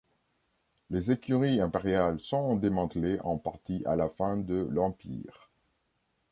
Les écuries impériales sont démantelées en partie à la fin de l’Empire.